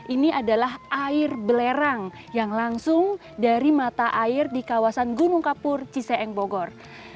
ini adalah air belerang yang langsung dari mata air di kawasan gunung kapur ciseeng bogor